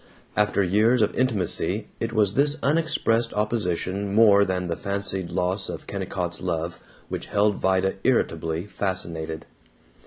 After years of intimacy it was this unexpressed opposition more than the fancied loss of Kennicott's love which held Vida irritably fascinated.